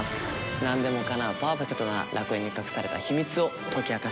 なんでも叶うパーフェクトな楽園に隠された秘密を解き明かす